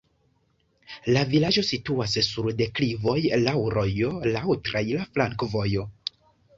La vilaĝo situas sur deklivoj, laŭ rojo, laŭ traira flankovojo.